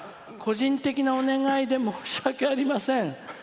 個人的なお願いで申し訳ありません。